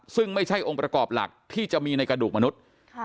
ซึ่งไม่ใช่องค์ประกอบหลักที่จะมีในกระดูกมนุษย์